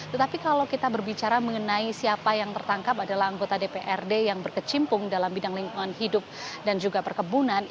tetapi kalau kita berbicara mengenai siapa yang tertangkap adalah anggota dprd yang berkecimpung dalam bidang lingkungan hidup dan juga perkebunan